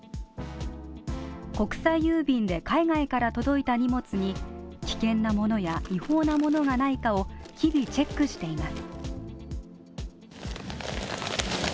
国際郵便で海外から届いた荷物に危険なものや、違法な物がないかを日々チェックしています。